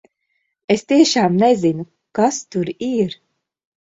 Es tiešām nezinu, kas tur ir!